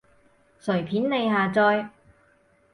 隨便你下載